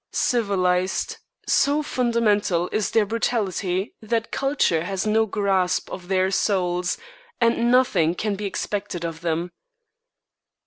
Civilised? So fundamental is their brutality that culture has no grasp of their souls and nothing can be expected of them.